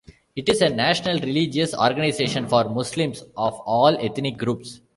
It is a national religious organization for Muslims of all ethnic groups.